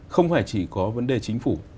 không phải chỉ có vấn đề chính phủ